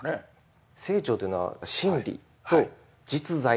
清張というのは「心理」と「実在」。